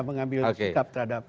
mengambil sikap terhadap